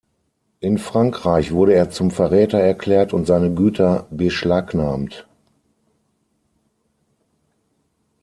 In Frankreich wurde er zum Verräter erklärt und seine Güter beschlagnahmt.